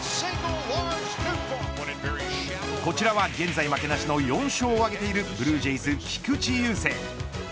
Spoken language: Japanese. こちらは、現在負けなしの４勝を挙げているブルージェイズ、菊池雄星。